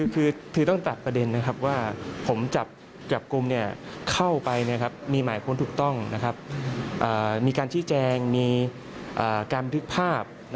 เข้าไปมีหมายควรถูกต้องมีการชี้แจงมีการดึกภาพ